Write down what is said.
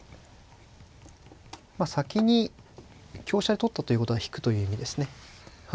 先に香車で取ったということは引くという意味ですね。